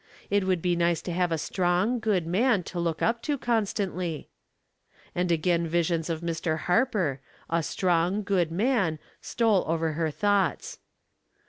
It would be nice to have a strong, good man to look up to constantly. '* And again visions of Mr. Harper, a "strong, good man," stole over her thoughts.